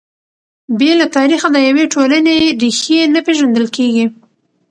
بې له تاریخه د یوې ټولنې ريښې نه پېژندل کیږي.